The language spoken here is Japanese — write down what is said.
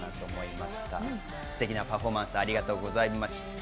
すてきなパフォーマンス、ありがとうこざいました。